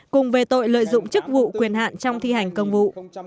cùng về tội lợi dụng chức vụ quyền hạn trong thi hành công vụ